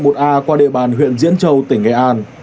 quốc lộ một a qua địa bàn huyện diễn châu tỉnh nghệ an